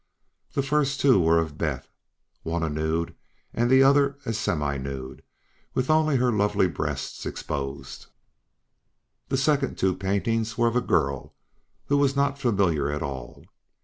The first two were of Beth, one a nude and the other a semi nude, with only her lovely breasts exposed. The second two paintings were of a girl who was not familiar at all.